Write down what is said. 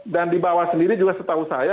dan di bawah sendiri juga setahu saya